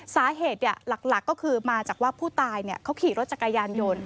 สาเหตุหลักก็คือมาจากว่าผู้ตายเขาขี่รถจักรยานยนต์